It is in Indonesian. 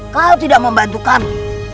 kau tidak membantu kami